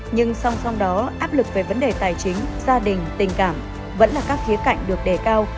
nhưng song song đó áp lực về vấn đề tài chính gia đình tình cảm vẫn là các khía cạnh được đề cao